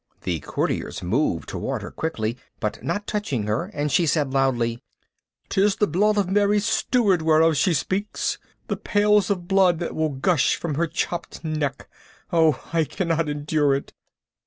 The courtiers moved toward her quickly, but not touching her, and she said loudly, "Tis the blood of Mary Stuart whereof she speaks the pails of blood that will gush from her chopped neck. Oh, I cannot endure it!"